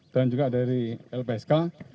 dan juga dari lpsk